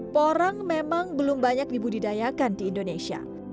porang memang belum banyak dibudidayakan di indonesia